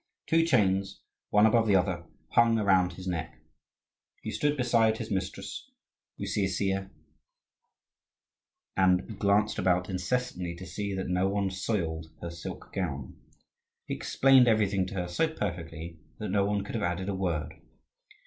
Two chains, one above the other, hung around his neck. He stood beside his mistress, Usisya, and glanced about incessantly to see that no one soiled her silk gown. He explained everything to her so perfectly that no one could have added a word.